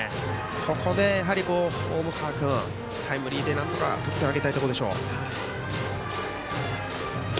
ここで重川君、タイムリーでなんとか得点を挙げたいところでしょう。